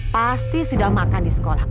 pasti sudah makan di sekolah